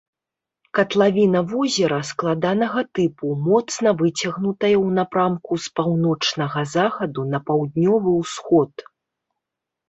Катлавіна возера складанага тыпу, моцна выцягнутая ў напрамку з паўночнага захаду на паўднёвы ўсход.